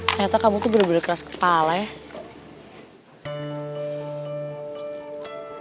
ternyata kamu tuh bener bener keras kepala ya